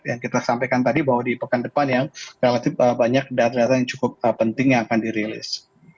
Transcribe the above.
yang kita sampaikan tadi bahwa di pekan depan yang relatif banyak data data yang cukup penting yang akan dirilis